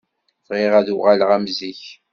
Bɣiɣ ad uɣaleɣ am zik.